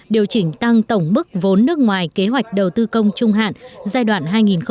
điều chỉnh tăng tổng mức vốn nước ngoài kế hoạch đầu tư công trung hạn giai đoạn hai nghìn một mươi sáu hai nghìn hai mươi